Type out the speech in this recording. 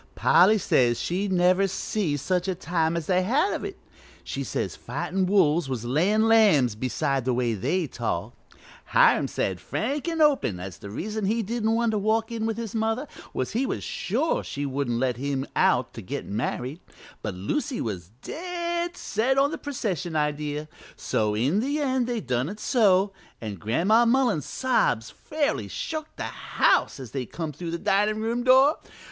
Polly says she never see such a time as they had of it; she says fightin' wolves was layin' lambs beside the way they talked. Hiram said frank an' open as the reason he didn't want to walk in with his mother was he was sure she wouldn't let him out to get married, but Lucy was dead set on the procession idea. So in the end they done it so, an' Gran'ma Mullins's sobs fairly shook the house as they come through the dinin' room door.